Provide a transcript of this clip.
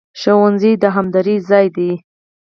ښوونځی د همدرۍ ځای دی